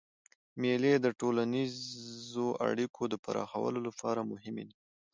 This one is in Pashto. مېلې د ټولنیزو اړیکو د پراخولو له پاره مهمي دي.